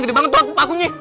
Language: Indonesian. gede banget tuh akunya